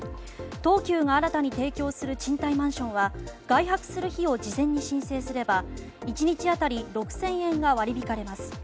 東急が新たに提供する賃貸マンションは外泊する日を事前に申請すれば１日当たり６０００円が割り引かれます。